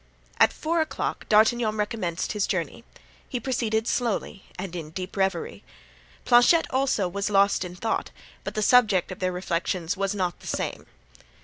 At four o'clock D'Artagnan recommenced his journey. He proceeded slowly and in deep reverie. Planchet also was lost in thought, but the subject of their reflections was not the same.